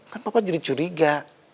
kan papa jadi curiga